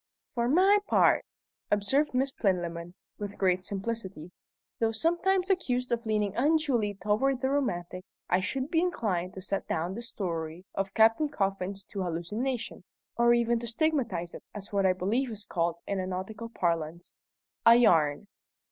"For my part," observed Miss Plinlimmon, with great simplicity, "though sometimes accused of leaning unduly toward the romantic, I should be inclined to set down this story of Captain Coffin's to hallucination, or even to stigmatize it as what I believe is called in nautical parlance 'a yarn.'"